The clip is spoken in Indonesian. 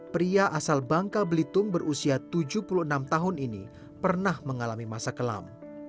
pria asal bangka belitung berusia tujuh puluh enam tahun ini pernah mengalami masa kelam